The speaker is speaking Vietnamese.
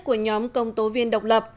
của nhóm công tố viên độc lập